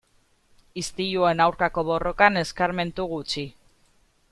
Istiluen aurkako borrokan eskarmentu gutxi.